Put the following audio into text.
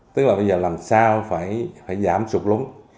tức là bây giờ làm sao phải giảm sụp lúng